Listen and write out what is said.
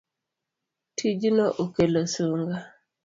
Tijno okelo sunga